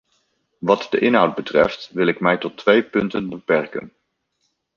Wat de inhoud betreft wil ik mij tot twee punten beperken.